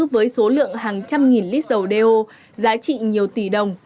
với số lượng hàng trăm nghìn lít dầu đeo giá trị nhiều tỷ đồng